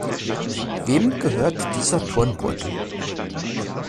Wem gehört dieser Turnbeutel?